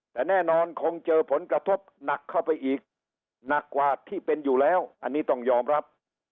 แต่แน่นอนคงเจอผลกระทบหนักเข้าไปอีกหนักกว่าที่เป็นอยู่แล้วอันนี้ต้องยอมรับ